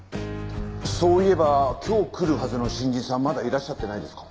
そういえば今日来るはずの新人さんまだいらっしゃってないですか？